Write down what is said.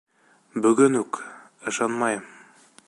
Бөгөн үк... ышанмайым.